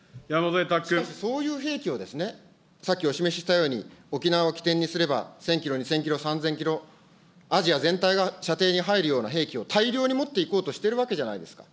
しかし、そういう兵器をですね、さっきお示ししたように、沖縄を起点にすれば１０００キロ、２０００キロ、３０００キロ、アジア全体が射程に入るような兵器を大量に持っていこうとしているわけじゃないですか。